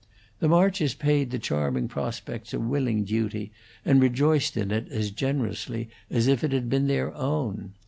The Marches paid the charming prospects a willing duty, and rejoiced in it as generously as if it had been their own.